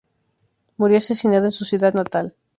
Murió asesinado en su ciudad natal.